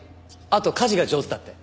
あと家事が上手だって。